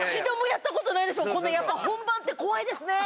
こんなやっぱ本番って怖いですね。